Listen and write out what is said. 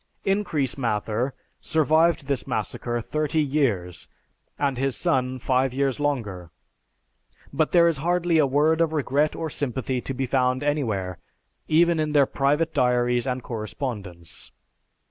Increase Mather survived this massacre thirty years, and his son, five years longer, but there is hardly a word of regret or sympathy to be found anywhere, even in their private diaries and correspondence.